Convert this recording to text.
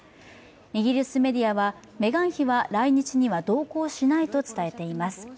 イギリスメディアはメガン妃は来日には同行しないと伝えています。